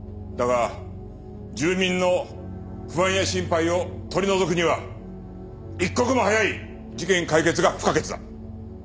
だが住民の不安や心配を取り除くには一刻も早い事件解決が不可欠だ。